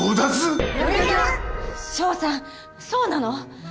翔さんそうなの！？